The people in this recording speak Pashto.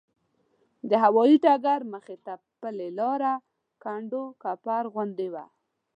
د هوایي ډګر مخې ته پلې لاره کنډوکپر غوندې وه.